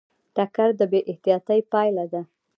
ټکر د بې احتیاطۍ پایله ده.